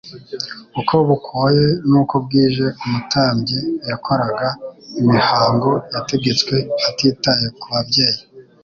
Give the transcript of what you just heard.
Uko bukoye nuko bwije umutambyi yakoraga imihango yategetswe atitaye ku babyeyi